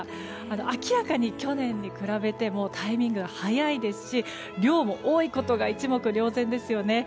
明らかに去年に比べてもタイミングが早いですし量も多いことが一目瞭然ですよね。